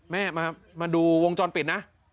แม่มาดูวงจรปิดนะ